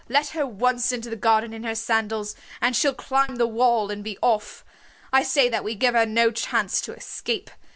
"Let her once into the garden in her sandals and she'll climb the wall and be off. I say that we give her no chance to escape.